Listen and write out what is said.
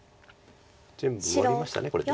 全部終わりましたこれで。